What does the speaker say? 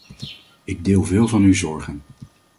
Ik deel veel van uw zorgen.